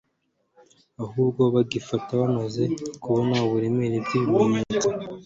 ahubwo bagifata bamaze kubona uburemere bw'ibimenyetso